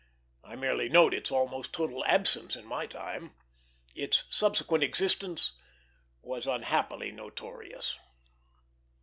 I merely note its almost total absence in my time; its subsequent existence was unhappily notorious.